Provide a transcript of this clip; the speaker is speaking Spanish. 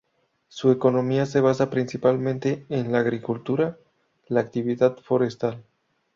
Su economía se basa principalmente en la agricultura, la actividad forestal.